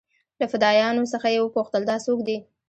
له فدايانو څخه يې وپوښتل دا سوک دې.